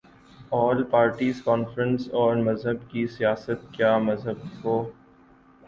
آل parties conference اور مذہب کی سیاست کیا مذہب کو